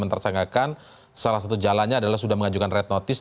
menteresankan salah satu jalannya sudah mengajukan red notice